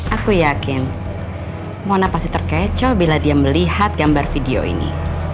aku yakin mona pasti terkecoh bila dia melihat gambar video ini